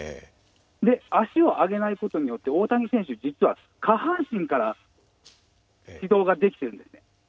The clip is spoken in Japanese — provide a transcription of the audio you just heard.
足を上げない事によって大谷選手実は下半身から軌道が出来てるんですね。